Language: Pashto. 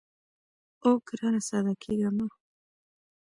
اوو ګرانه ساده کېږه مه.